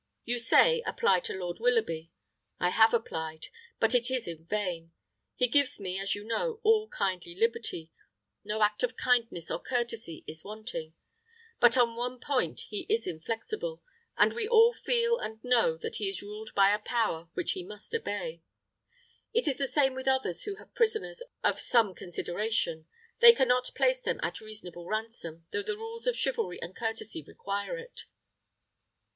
You say, apply to Lord Willoughby. I have applied; but it is in vain. He gives me, as you know, all kindly liberty: no act of kindness or courtesy is wanting. But on one point he is inflexible, and we all feel and know that he is ruled by a power which he must obey. It is the same with others who have prisoners of some consideration. They can not place them at reasonable ransom, though the rules of chivalry and courtesy require it."